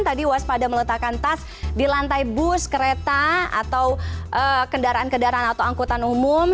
tadi waspada meletakkan tas di lantai bus kereta atau kendaraan kendaraan atau angkutan umum